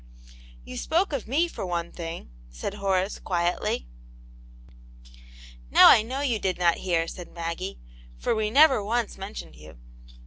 '* "You spoke of me, for one thing," said Horace, quietly. if Now I know you did not hear," said Maggie, ''for we never once mentioned you."